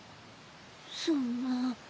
そんな。